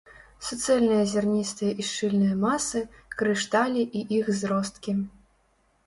Суцэльныя зярністыя і шчыльныя масы, крышталі і іх зросткі.